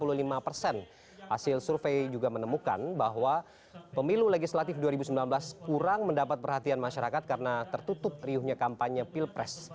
hasil survei juga menemukan bahwa pemilu legislatif dua ribu sembilan belas kurang mendapat perhatian masyarakat karena tertutup riuhnya kampanye pilpres